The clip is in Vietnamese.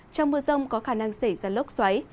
trong mưa rông có khả năng xảy ra lốc xoáy